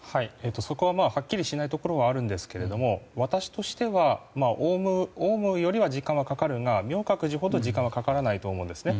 そこははっきりしないところはあるんですが私としてはオウムよりは時間がかかるが明覚寺ほど、時間はかからないと思うんですね。